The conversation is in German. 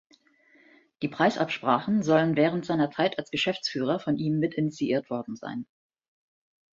Die Preisabsprachen sollen während seiner Zeit als Geschäftsführer von ihm mit initiiert worden sein.